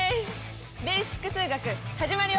「ベーシック数学」始まるよ！